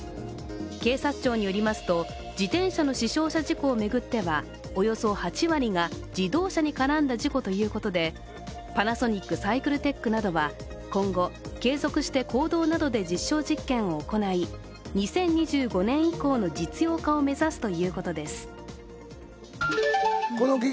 警察庁によりますと自転車の死傷者事故を巡ってはおよそ８割が自動車に絡んだ事故ということで、パナソニックサイクルテックなどは今後継続して行動などで実証実験を行い２０２５年以降の実用化を目指すということです。